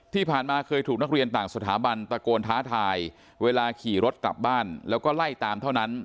ที่ผ่านมาเคยถูกนักเรียนต่างสถาบันตะโกนท้าทายเวลาขี่รถกลับบ้านแล้วก็ไล่ตามเท่านั้น